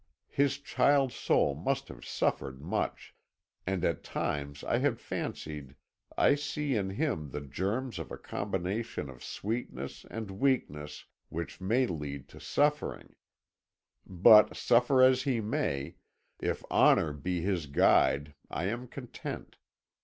His child's soul must have suffered much, and at times I have fancied I see in him the germs of a combination of sweetness and weakness which may lead to suffering. But suffer as he may, if honour be his guide I am content.